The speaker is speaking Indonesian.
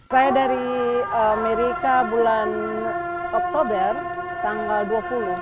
saya dari amerika bulan oktober tanggal dua puluh